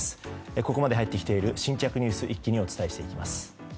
ここまでに入ってきている新着ニュース一気にお伝えしていきます。